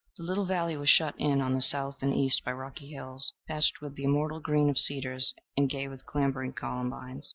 The little valley was shut in on the south and east by rocky hills, patched with the immortal green of cedars and gay with clambering columbines.